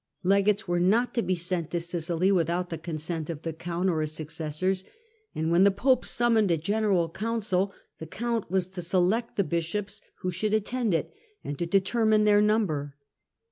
Legates were not to be sent to Sicily without the consent of the count or his successors ; and when the pope summoned a general council the count was to select the bishops who should attend it, and to determine their number.